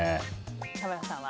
田村さんは？